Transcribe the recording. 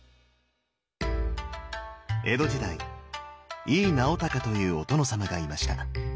江戸時代井伊直孝というお殿様がいました。